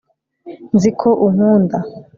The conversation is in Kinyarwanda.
nzi ko unkunda